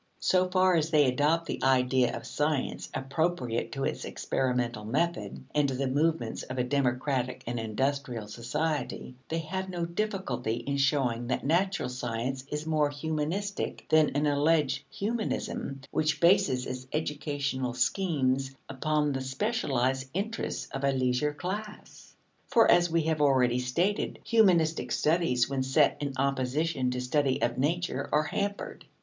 So far as they adopt the idea of science appropriate to its experimental method and to the movements of a democratic and industrial society, they have no difficulty in showing that natural science is more humanistic than an alleged humanism which bases its educational schemes upon the specialized interests of a leisure class. For, as we have already stated, humanistic studies when set in opposition to study of nature are hampered.